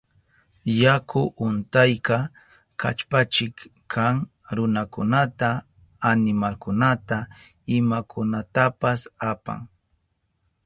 Yaku untayka kallpachik kan, runakunata, animalkunata, imakunatapas apan.